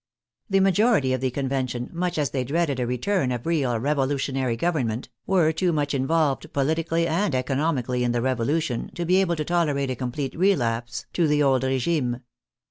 The majority of the Convention, much as they dreaded a return of real revolutionary government, were too much involved poHtically and economically in the Revolution to be able to tolerate a complete relapse to the old regime.